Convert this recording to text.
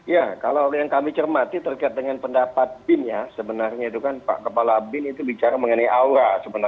ya kalau yang kami cermati terkait dengan pendapat bin ya sebenarnya itu kan pak kepala bin itu bicara mengenai aura sebenarnya